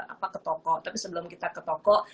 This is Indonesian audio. apa ke toko tapi sebelum kita ke toko